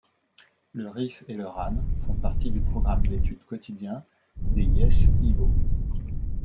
Le Rif et le RaN font partie du programme d'étude quotidien des yeshivot.